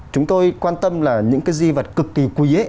chúng tôi quan tâm là những cái di vật cực kỳ quý